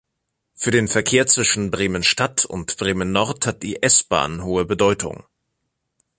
Für den Verkehr zwischen Bremen-Stadt und Bremen-Nord hat die S-Bahn hohe Bedeutung.